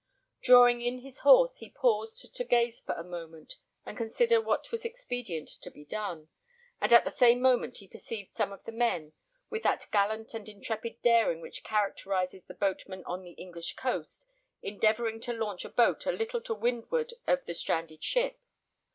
Drawing in his horse, he paused to gaze for a moment and consider what was expedient to be done; and at the same moment he perceived some of the men, with that gallant and intrepid daring which characterises the boatmen on the English coast, endeavouring to launch a boat a little to windward of the stranded ship.